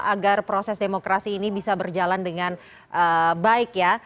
agar proses demokrasi ini bisa berjalan dengan baik ya